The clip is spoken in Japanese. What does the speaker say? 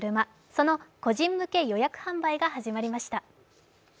その個人向け予約販売が始まりました。